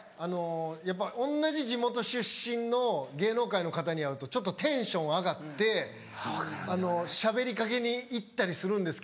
やっぱ同じ地元出身の芸能界の方に会うとちょっとテンション上がってしゃべりかけに行ったりするんですけど。